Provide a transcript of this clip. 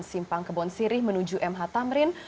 simpang kebon sirih menuju mh tamrin